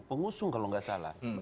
pengusung kalau nggak salah